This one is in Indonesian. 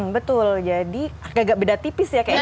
betul jadi agak beda tipis ya kayaknya